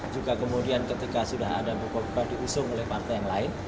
juga kemudian ketika sudah ada bukoba diusung oleh partai yang lain